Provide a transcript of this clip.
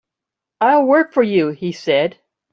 "I'll work for you," he said.